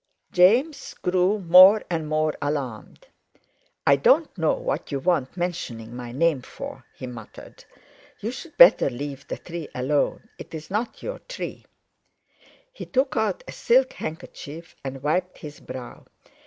James grew more and more alarmed: "I don't know what you want mentioning my name for," he muttered; "you'd better leave the tree alone. It's not your tree!" He took out a silk handkerchief and wiped his brow.